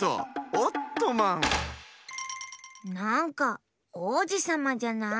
なんかおうじさまじゃない。